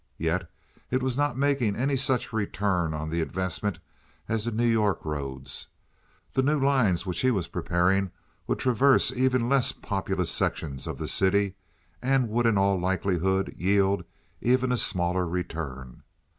Yet it was not making any such return on the investment as the New York roads. The new lines which he was preparing would traverse even less populous sections of the city, and would in all likelihood yield even a smaller return.